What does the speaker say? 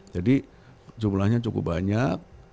jadi jumlahnya cukup banyak